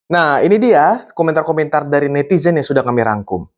nah ini dia komentar komentar dari netizen yang sudah kami rangkum